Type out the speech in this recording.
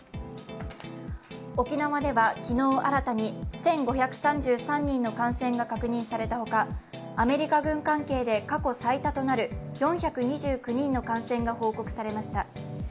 沖縄では昨日新たに１５３３人の感染が確認されたほかアメリカ軍関係で過去最多となる４２９人の感染が報告されました。